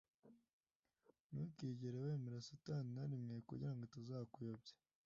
Ntukigere wemera satani narimwe kugirango atazakuyobya